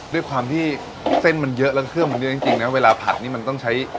ด้วยความที่เส้นมันเยอะแล้วเครื่องมันเยอะจริงนะเวลาผัดนี่มันต้องใช้